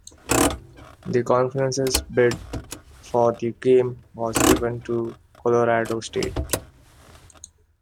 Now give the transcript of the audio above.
The conference's bid for the game was given to Colorado State.